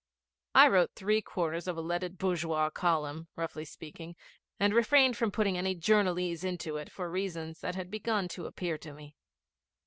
I wrote three quarters of a leaded bourgeois column, roughly speaking, and refrained from putting any journalese into it for reasons that had begun to appear to me.